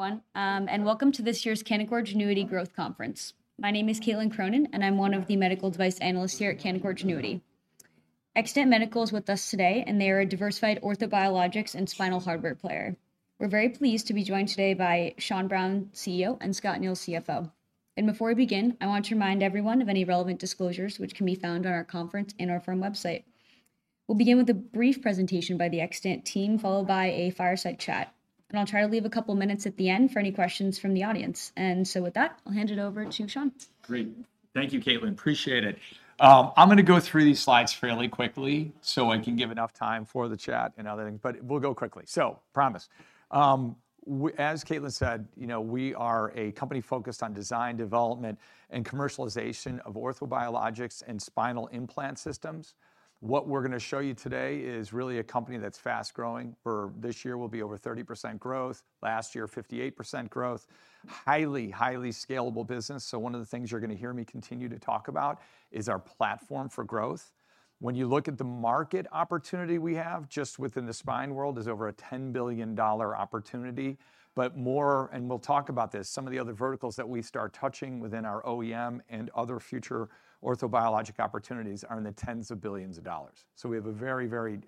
Everyone, and welcome to this year's Canaccord Genuity Growth Conference. My name is Caitlin Cronin, and I'm one of the medical device analysts here at Canaccord Genuity. Xtant Medical is with us today, and they are a diversified orthobiologics and spinal hardware player. We're very pleased to be joined today by Sean Browne, CEO, and Scott Neils, CFO. Before we begin, I want to remind everyone of any relevant disclosures, which can be found on our conference and our firm website. We'll begin with a brief presentation by the Xtant team, followed by a fireside chat, and I'll try to leave a couple minutes at the end for any questions from the audience. So with that, I'll hand it over to Sean. Great. Thank you, Caitlin. Appreciate it. I'm gonna go through these slides fairly quickly, so I can give enough time for the chat and other things, but we'll go quickly, so promise. As Caitlin said, you know, we are a company focused on design, development, and commercialization of orthobiologics and spinal implant systems. What we're gonna show you today is really a company that's fast-growing, for this year will be over 30% growth, last year, 58% growth. Highly, highly scalable business, so one of the things you're gonna hear me continue to talk about is our platform for growth. When you look at the market opportunity we have, just within the spine world, is over a $10 billion opportunity, but more, and we'll talk about this, some of the other verticals that we start touching within our OEM and other future orthobiologic opportunities are in the tens of billions of dollars. So we have a very, very,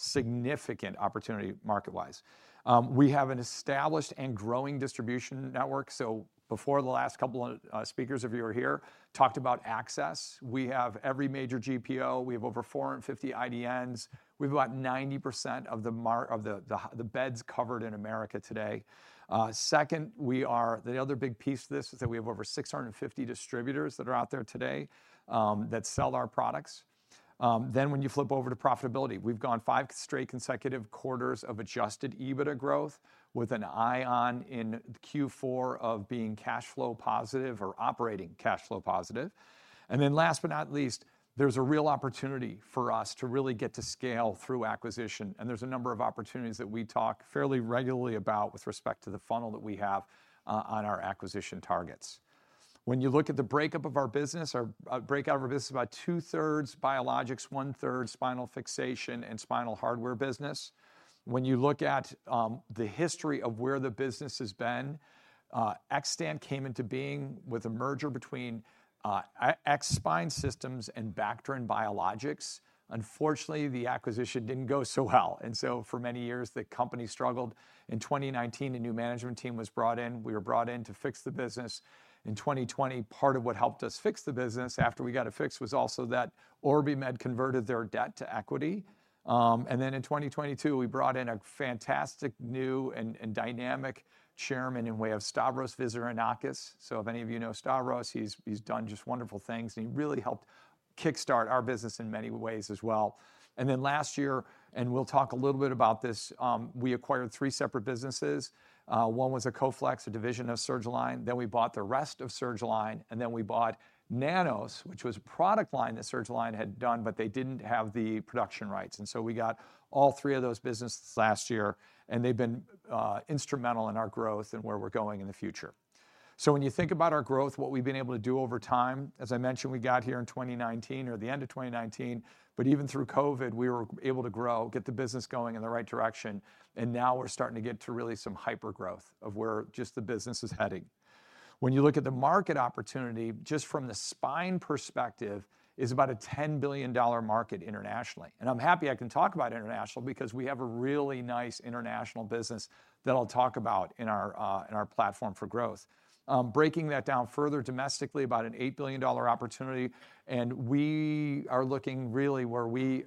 significant opportunity market-wise. We have an established and growing distribution network, so before the last couple of speakers of you were here, talked about access. We have every major GPO. We have over 450 IDNs. We've about 90% of the beds covered in America today. Second, we are. The other big piece of this is that we have over 650 distributors that are out there today, that sell our products. Then when you flip over to profitability, we've gone five straight consecutive quarters of Adjusted EBITDA growth, with an eye on in Q4 of being cash flow positive or operating cash flow positive. Then last but not least, there's a real opportunity for us to really get to scale through acquisition, and there's a number of opportunities that we talk fairly regularly about with respect to the funnel that we have on our acquisition targets. When you look at the breakup of our business, our breakout of our business is about two-thirds biologics, one-third spinal fixation and spinal hardware business. When you look at the history of where the business has been, Xtant came into being with a merger between X-Spine Systems and Bacterin International. Unfortunately, the acquisition didn't go so well, and so for many years, the company struggled. In 2019, a new management team was brought in. We were brought in to fix the business. In 2020, part of what helped us fix the business after we got it fixed was also that OrbiMed converted their debt to equity. Then in 2022, we brought in a fantastic, new, and dynamic chairman in way of Stavros Vizirgianakis. So if any of you know Stavros, he's done just wonderful things, and he really helped kickstart our business in many ways as well. Then last year, and we'll talk a little bit about this, we acquired three separate businesses. One was Coflex, a division of Surgalign, then we bought the rest of Surgalign, and then we bought Nanoss, which was a product line that Surgalign had done, but they didn't have the production rights. And so we got all three of those businesses last year, and they've been instrumental in our growth and where we're going in the future. So when you think about our growth, what we've been able to do over time, as I mentioned, we got here in 2019 or the end of 2019, but even through COVID, we were able to grow, get the business going in the right direction, and now we're starting to get to really some hyper-growth of where just the business is heading. When you look at the market opportunity, just from the spine perspective, is about a $10 billion market internationally. And I'm happy I can talk about international because we have a really nice international business that I'll talk about in our platform for growth. Breaking that down further domestically, about an $8 billion opportunity, and we are looking really where we,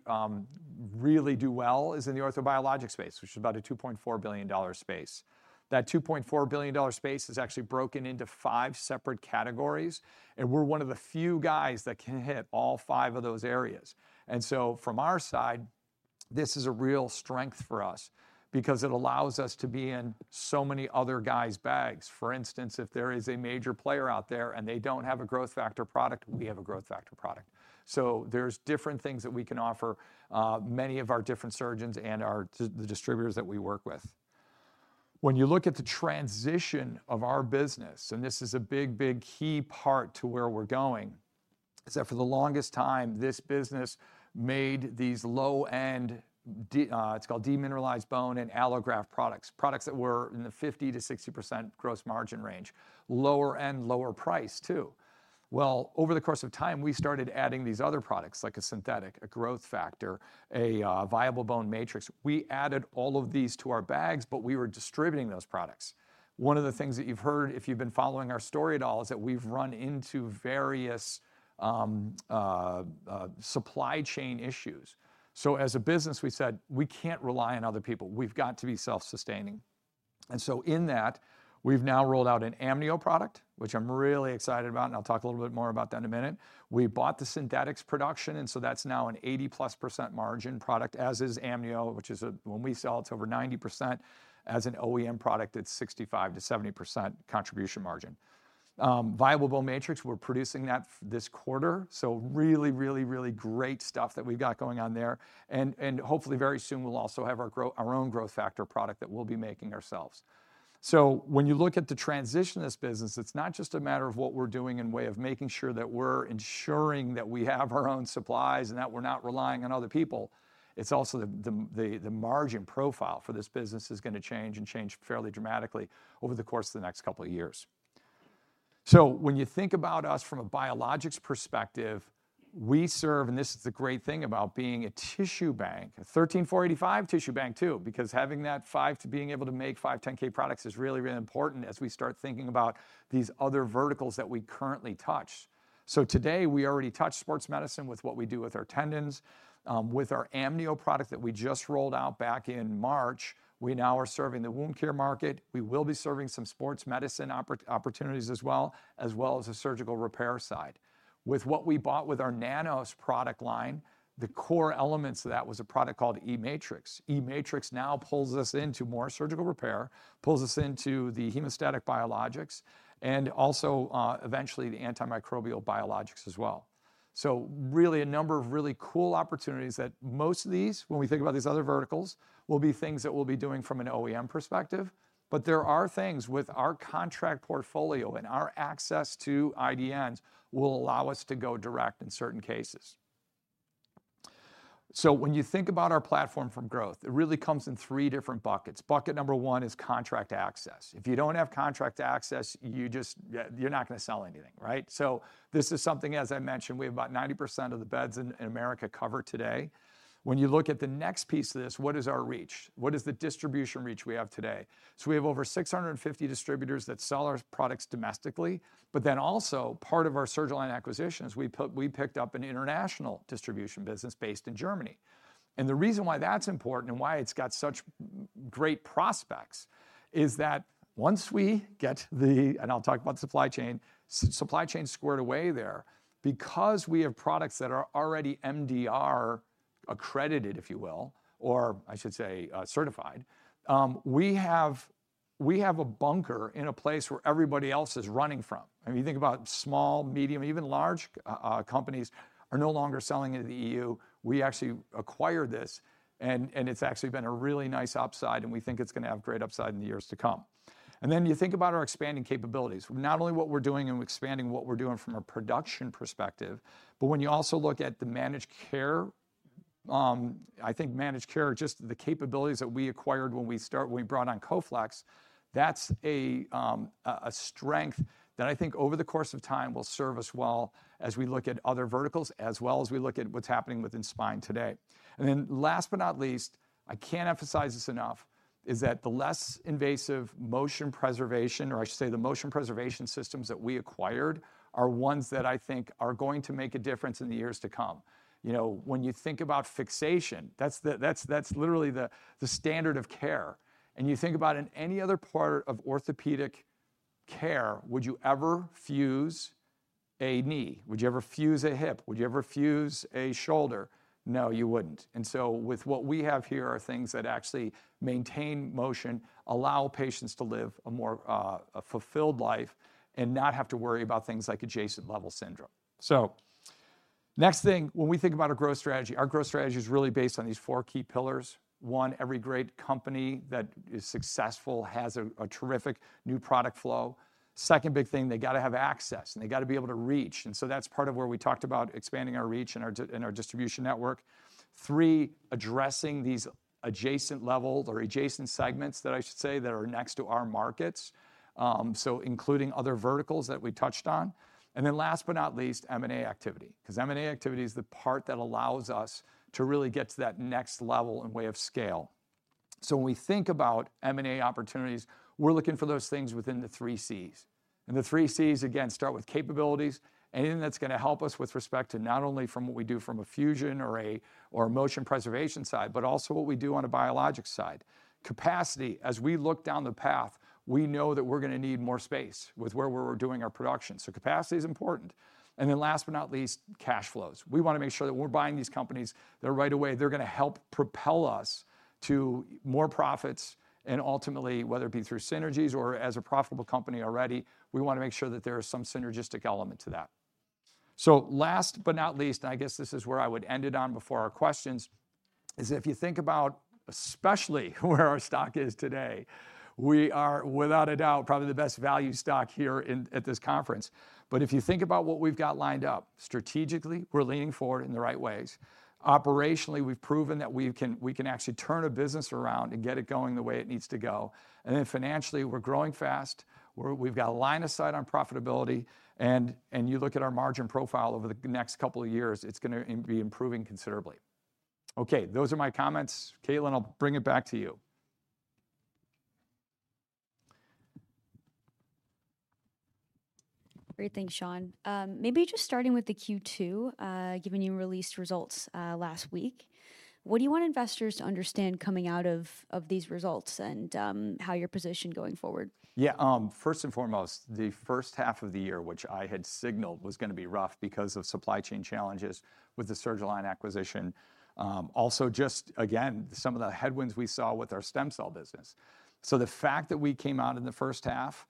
really do well is in the orthobiologics space, which is about a $2.4 billion space. That $2.4 billion space is actually broken into five separate categories, and we're one of the few guys that can hit all five of those areas. And so from our side, this is a real strength for us because it allows us to be in so many other guys' bags. For instance, if there is a major player out there, and they don't have a growth factor product, we have a growth factor product. So there's different things that we can offer, many of our different surgeons and our distributors that we work with. Well, over the course of time, we started adding these other products, like a synthetic, a growth factor, a viable bone matrix. We added all of these to our bags, but we were distributing those products. One of the things that you've heard, if you've been following our story at all, is that we've run into various supply chain issues. So as a business, we said, "We can't rely on other people. We've got to be self-sustaining." And so in that, we've now rolled out an Amnio product, which I'm really excited about, and I'll talk a little bit more about that in a minute. We bought the synthetics production, and so that's now an 80%+ margin product, as is Amnio, which is a, when we sell, it's over 90%. As an OEM product, it's 65%-70% contribution margin. Viable Bone Matrix, we're producing that this quarter, so really, really, really great stuff that we've got going on there. And hopefully very soon, we'll also have our own growth factor product that we'll be making ourselves. So when you look at the transition of this business, it's not just a matter of what we're doing in way of making sure that we're ensuring that we have our own supplies, and that we're not relying on other people. It's also the margin profile for this business is gonna change and change fairly dramatically over the course of the next couple of years. So when you think about us from a biologics perspective, we serve, and this is the great thing about being a tissue bank, a 13485 tissue bank, too, because having that 510(k) being able to make 510(k) products is really, really important as we start thinking about these other verticals that we currently touch. So today, we already touched sports medicine with what we do with our tendons. With our Amnio product that we just rolled out back in March, we now are serving the wound care market. We will be serving some sports medicine opportunities as well as the surgical repair side. With what we bought with our Nanoss product line, the core elements of that was a product called E-Matrix. E-Matrix now pulls us into more surgical repair, pulls us into the hemostatic biologics, and also, eventually, the antimicrobial biologics as well. So really, a number of really cool opportunities that most of these, when we think about these other verticals, will be things that we'll be doing from an OEM perspective. But there are things with our contract portfolio, and our access to IDNs will allow us to go direct in certain cases. So when you think about our platform for growth, it really comes in three different buckets. Bucket number one is contract access. If you don't have contract access, you just, you're not gonna sell anything, right? So this is something, as I mentioned, we have about 90% of the beds in America covered today. When you look at the next piece of this, what is our reach? What is the distribution reach we have today? So we have over 650 distributors that sell our products domestically, but then also, part of our Surgalign acquisitions, we picked up an international distribution business based in Germany. And the reason why that's important and why it's got such great prospects, is that once we get the... And I'll talk about supply chain, supply chain squared away there. Because we have products that are already MDR-accredited, if you will, or I should say, certified, we have a bunker in a place where everybody else is running from. I mean, you think about small, medium, even large companies are no longer selling into the EU. We actually acquired this, and it's actually been a really nice upside, and we think it's gonna have great upside in the years to come. And then you think about our expanding capabilities, not only what we're doing and expanding what we're doing from a production perspective, but when you also look at the managed care, I think managed care, just the capabilities that we acquired when we brought on Coflex, that's a strength that I think over the course of time will serve us well as we look at other verticals, as well as we look at what's happening within spine today. And then last but not least, I can't emphasize this enough, is that the less invasive motion preservation, or I should say, the motion preservation systems that we acquired, are ones that I think are going to make a difference in the years to come. You know, when you think about fixation, that's literally the standard of care. And you think about in any other part of orthopedic care, would you ever fuse a knee? Would you ever fuse a hip? Would you ever fuse a shoulder? No, you wouldn't. And so with what we have here are things that actually maintain motion, allow patients to live a more, a fulfilled life and not have to worry about things like Adjacent Level Syndrome. So next thing, when we think about our growth strategy, our growth strategy is really based on these four key pillars. One, every great company that is successful has a terrific new product flow. Second big thing, they gotta have access, and they gotta be able to reach, and so that's part of where we talked about expanding our reach and our distribution network. Three, addressing these adjacent level or adjacent segments, that I should say, that are next to our markets, so including other verticals that we touched on. And then last but not least, M&A activity, 'cause M&A activity is the part that allows us to really get to that next level and way of scale. So when we think about M&A opportunities, we're looking for those things within the three Cs. And the three Cs, again, start with capabilities, anything that's gonna help us with respect to not only from what we do from a fusion or a, or a motion preservation side, but also what we do on a biologics side. Capacity. As we look down the path, we know that we're gonna need more space with where we're doing our production, so capacity is important. And then last but not least, cash flows. We wanna make sure that we're buying these companies, that right away, they're gonna help propel us to more profits, and ultimately, whether it be through synergies or as a profitable company already, we wanna make sure that there is some synergistic element to that. So last but not least, and I guess this is where I would end it on before our questions, is if you think about, especially where our stock is today, we are, without a doubt, probably the best value stock here at this conference. But if you think about what we've got lined up, strategically, we're leaning forward in the right ways. Operationally, we've proven that we can, we can actually turn a business around and get it going the way it needs to go. And then financially, we're growing fast. We've got a line of sight on profitability, and you look at our margin profile over the next couple of years, it's gonna be improving considerably. Okay, those are my comments. Caitlin, I'll bring it back to you. Great. Thanks, Sean. Maybe just starting with the Q2, given you released results last week, what do you want investors to understand coming out of these results and how you're positioned going forward? Yeah, first and foremost, the first half of the year, which I had signaled, was gonna be rough because of supply chain challenges with the Surgalign acquisition. Also, just again, some of the headwinds we saw with our stem cell business. So the fact that we came out in the first half,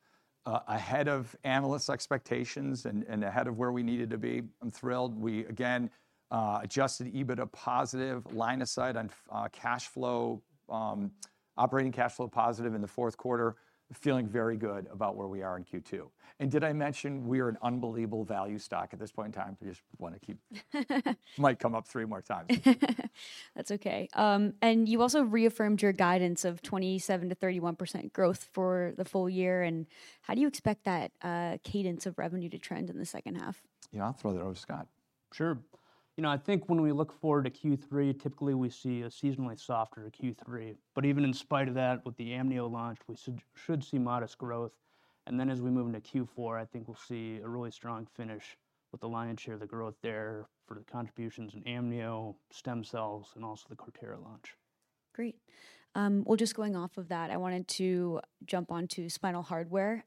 ahead of analysts' expectations and ahead of where we needed to be, I'm thrilled. We, again, adjusted EBITDA positive, line of sight on cash flow, operating cash flow positive in the fourth quarter, feeling very good about where we are in Q2. And did I mention we're an unbelievable value stock at this point in time? I just wanna keep-... Might come up three more times. That's okay. And you also reaffirmed your guidance of 27%-31% growth for the full year, and how do you expect that cadence of revenue to trend in the second half? Yeah, I'll throw that over to Scott.... Sure. You know, I think when we look forward to Q3, typically we see a seasonally softer Q3. But even in spite of that, with the Amnio launch, we should see modest growth. And then as we move into Q4, I think we'll see a really strong finish with the lion's share of the growth there for the contributions in Amnio, stem cells, and also the Cortera launch. Great. Well, just going off of that, I wanted to jump onto spinal hardware.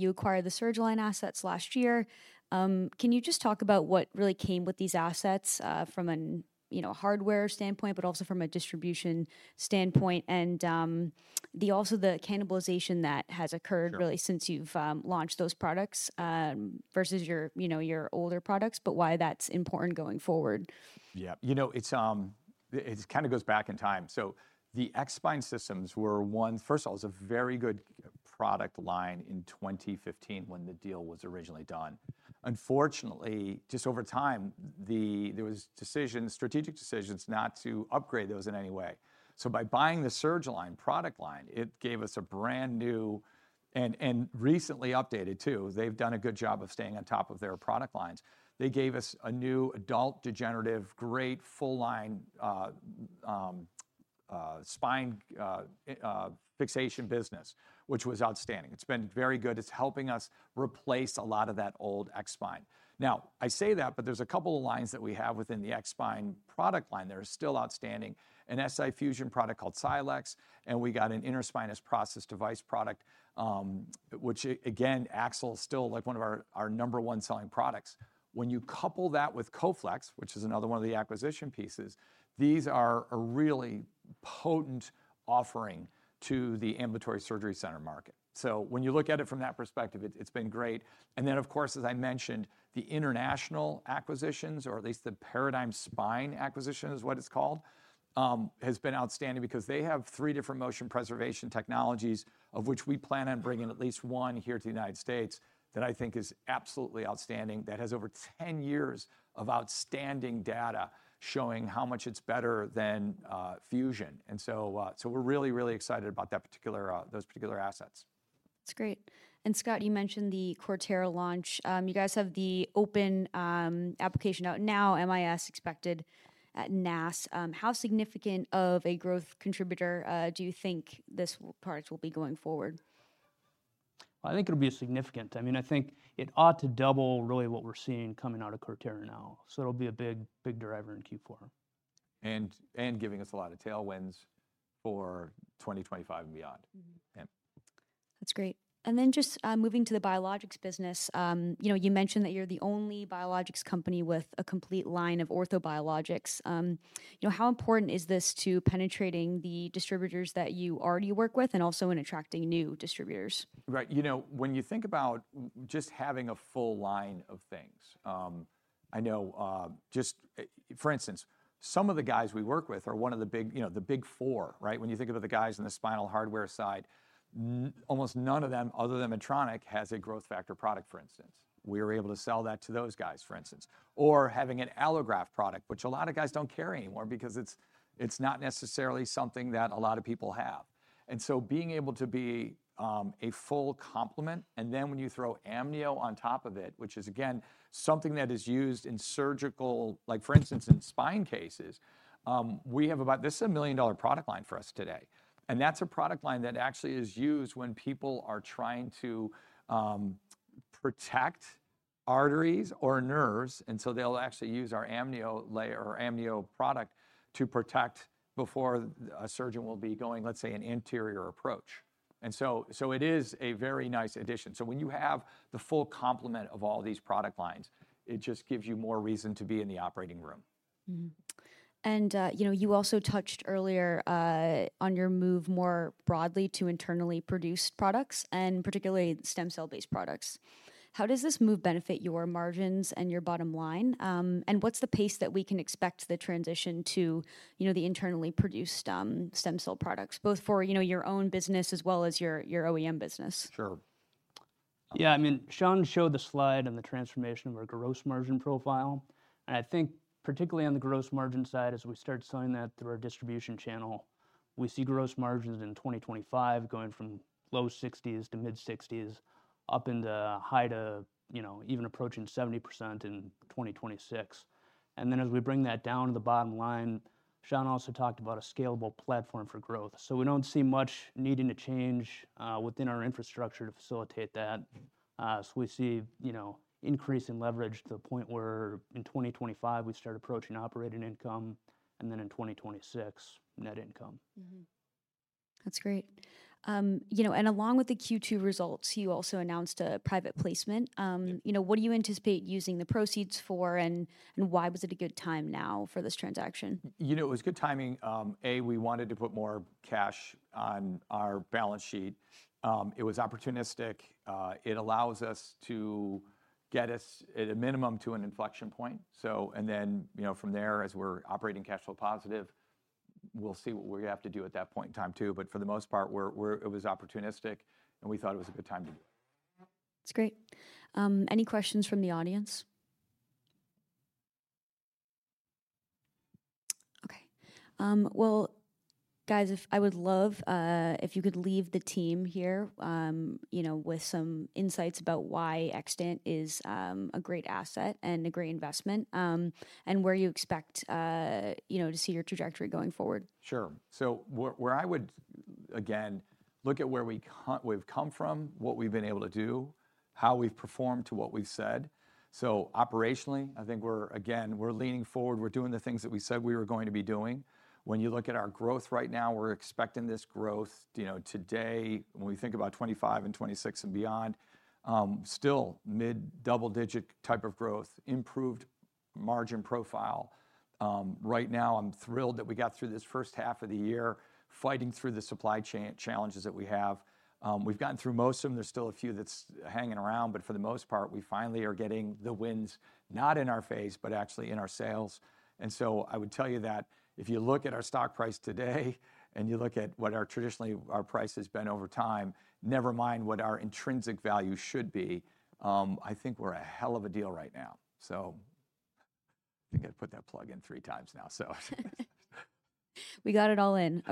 You know, you acquired the Surgalign assets last year. Can you just talk about what really came with these assets, from an, you know, hardware standpoint, but also from a distribution standpoint, and, the also the cannibalization that has occurred- Sure... really since you've launched those products versus your, you know, your older products, but why that's important going forward? Yeah. You know, it's, it kind of goes back in time. So the X-Spine Systems were first of all, it was a very good product line in 2015, when the deal was originally done. Unfortunately, just over time, there was decisions, strategic decisions, not to upgrade those in any way. So by buying the Surgalign product line, it gave us a brand-new, and recently updated, too, they've done a good job of staying on top of their product lines. They gave us a new adult degenerative, great, full line, spine, fixation business, which was outstanding. It's been very good. It's helping us replace a lot of that old X-Spine. Now, I say that, but there's a couple of lines that we have within the X-Spine product line that are still outstanding. An SI fusion product called Silex, and we got an interspinous process device product, which again, AXLE is still, like, one of our, our number one selling products. When you couple that with Coflex, which is another one of the acquisition pieces, these are a really potent offering to the ambulatory surgery center market. So when you look at it from that perspective, it's, it's been great, and then, of course, as I mentioned, the international acquisitions, or at least the Paradigm Spine acquisition, is what it's called, has been outstanding because they have three different motion preservation technologies, of which we plan on bringing at least one here to the United States, that I think is absolutely outstanding, that has over 10 years of outstanding data showing how much it's better than fusion. So we're really, really excited about that particular, those particular assets. That's great. And Scott, you mentioned the Cortera launch. You guys have the open application out now, MIS expected at NASS. How significant of a growth contributor do you think this product will be going forward? I think it'll be significant. I mean, I think it ought to double really what we're seeing coming out of Cortera now. So it'll be a big, big driver in Q4. And giving us a lot of tailwinds for 2025 and beyond. Mm-hmm. Yeah. That's great. And then just moving to the biologics business, you know, you mentioned that you're the only biologics company with a complete line of ortho biologics. You know, how important is this to penetrating the distributors that you already work with, and also in attracting new distributors? Right. You know, when you think about just having a full line of things, I know, for instance, some of the guys we work with are one of the big, you know, the big four, right? When you think about the guys in the spinal hardware side, almost none of them, other than Medtronic, has a growth factor product, for instance. We are able to sell that to those guys, for instance, or having an allograft product, which a lot of guys don't carry anymore because it's not necessarily something that a lot of people have. And so being able to be a full complement, and then when you throw Amnio on top of it, which is again something that is used in surgical... like, for instance, in spine cases, we have about—this is a million-dollar product line for us today. That's a product line that actually is used when people are trying to protect arteries or nerves, and so they'll actually use our Amnio layer or Amnio product to protect before a surgeon will be going, let's say, an anterior approach. So it is a very nice addition. So when you have the full complement of all these product lines, it just gives you more reason to be in the operating room. Mm-hmm. And, you know, you also touched earlier on your move more broadly to internally produced products, and particularly stem cell-based products. How does this move benefit your margins and your bottom line? And what's the pace that we can expect the transition to, you know, the internally produced stem cell products, both for, you know, your own business as well as your OEM business? Sure. Yeah, I mean, Sean showed the slide on the transformation of our gross margin profile, and I think particularly on the gross margin side, as we start selling that through our distribution channel, we see gross margins in 2025 going from low 60s to mid-60s, up into high 60s to, you know, even approaching 70% in 2026. And then as we bring that down to the bottom line, Sean also talked about a scalable platform for growth. So we don't see much needing to change within our infrastructure to facilitate that. So we see, you know, increase in leverage to the point where in 2025, we start approaching operating income, and then in 2026, net income. Mm-hmm. That's great. You know, and along with the Q2 results, you also announced a private placement. Yeah... you know, what do you anticipate using the proceeds for, and why was it a good time now for this transaction? You know, it was good timing. We wanted to put more cash on our balance sheet. It was opportunistic. It allows us to get, at a minimum, to an inflection point. So, and then, you know, from there, as we're operating cash flow positive, we'll see what we're gonna have to do at that point in time, too. But for the most part, it was opportunistic, and we thought it was a good time to do it. That's great. Any questions from the audience? Okay, well, guys, I would love if you could leave the team here, you know, with some insights about why Xtant is a great asset and a great investment, and where you expect, you know, to see your trajectory going forward. Sure. So where I would, again, look at where we've come from, what we've been able to do, how we've performed to what we've said. So operationally, I think we're, again, we're leaning forward, we're doing the things that we said we were going to be doing. When you look at our growth right now, we're expecting this growth, you know, today, when we think about 2025 and 2026 and beyond, still mid double-digit type of growth, improved margin profile. Right now, I'm thrilled that we got through this first half of the year, fighting through the supply challenges that we have. We've gotten through most of them. There's still a few that's hanging around, but for the most part, we finally are getting the winds, not in our face, but actually in our sails. So I would tell you that if you look at our stock price today and you look at what our traditionally our price has been over time, never mind what our intrinsic value should be, I think we're a hell of a deal right now. So I think I put that plug in three times now, so. We got it all in.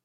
Absolutely.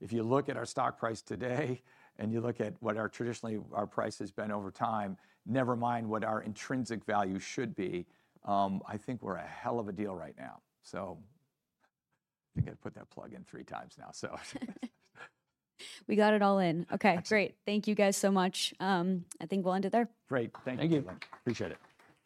Okay, great. Thank you guys so much. I think we'll end it there. Great. Thank you. Thank you. Appreciate it.